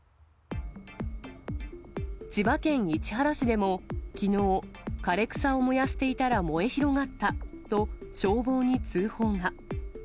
千葉県市原市でも、きのう、枯れ草を燃やしていたら燃え広がったと消防に通報が。